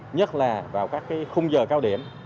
nhất là vào các khung giờ cao điểm